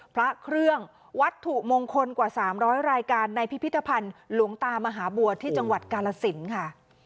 พระเครื่องวัตถุมงคลกว่า๓๐๐รายการในพิพิธภัณฑ์หลวงตามหาบัวที่จังหวัดกาลสินค่ะ